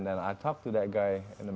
dan saya berbicara dengan orang itu di jendela